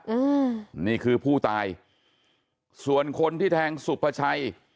อืมนี่คือผู้ตายส่วนคนที่แทงสุภาชัย